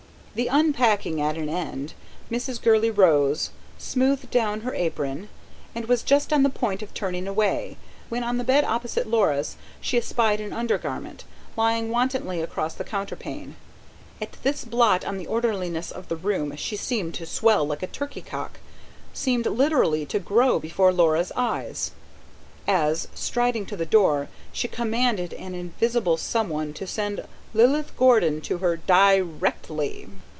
The unpacking at an end, Mrs. Gurley rose, smoothed down her apron, and was just on the point of turning away, when on the bed opposite Laura's she espied an under garment, lying wantonly across the counterpane. At this blot on the orderliness of the room she seemed to swell like a turkey cock, seemed literally to grow before Laura's eyes as, striding to the door, she commanded an invisible some one to send Lilith Gordon to her "DI rectly!"!